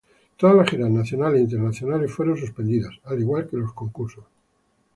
Todas las giras nacionales e internacionales fueron suspendidas, al igual que los concursos.